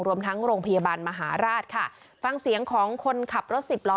รวมทั้งโรงพยาบาลมหาราชค่ะฟังเสียงของคนขับรถสิบล้อ